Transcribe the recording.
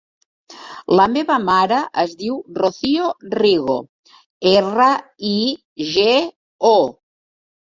La meva mare es diu Rocío Rigo: erra, i, ge, o.